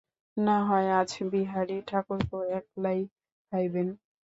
নাহয় আজ বিহারী ঠাকুরপো একলাই খাইবেন।